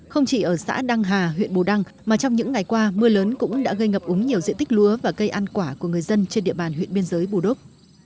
không chỉ ở xã đăng hà huyện bù đăng mà trong những ngày qua mưa lớn cũng đã gây ngập úng nhiều diện tích lúa và cây ăn quả của người dân trên địa bàn huyện biên giới bù đốc